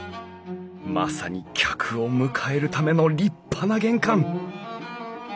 まさに客を迎えるための立派な玄関。